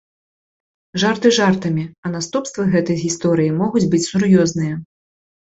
Жарты жартамі, а наступствы гэтай гісторыі могуць быць сур'ёзныя.